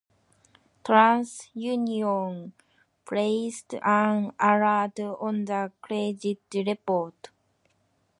TransUnion placed an alert on the credit report.